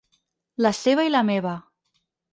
La seva i la meva.